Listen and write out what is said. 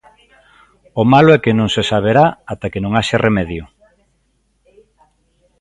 O malo é que non se saberá ata que non haxa remedio.